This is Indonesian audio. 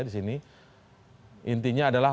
di sini intinya adalah